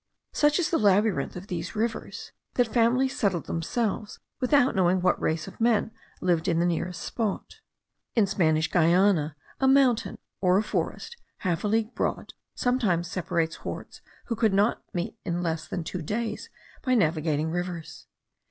Such is the labyrinth of these rivers, that families settled themselves without knowing what race of men lived nearest the spot. In Spanish Guiana a mountain, or a forest half a league broad, sometimes separates hordes who could not meet in less than two days by navigating rivers.